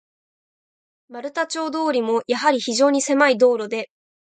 丸太町通も、やはり非常にせまい道路で、